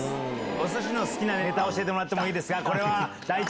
おすしの好きなネタ、教えてもらってもいいですか？